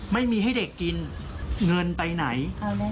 ไม่มีให้เด็กกินเงินไปไหน